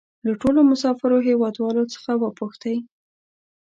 له ټولو مسافرو هېوادوالو څخه وپوښتئ.